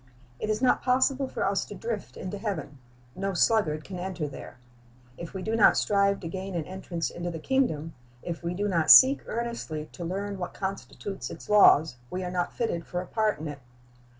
It is not possible for us to drift into heaven. No sluggard can enter there. If we do not strive to gain an entrance into the kingdom, if we do not seek earnestly to learn what constitutes its laws, we are not fitted for a part in it.